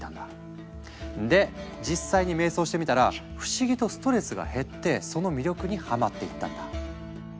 で実際に瞑想してみたら不思議とストレスが減ってその魅力にハマっていったんだ。